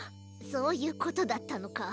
そういうことだったのか。